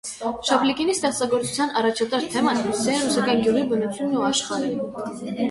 Շաբլիկինի ստեղծագործության առաջատար թեման հյուսիսային ռուսական գյուղի բնությունն ու աշխարհը։